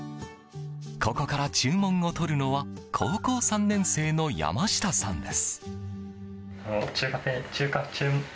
ここから、注文を取るのは高校３年生の山下さんです。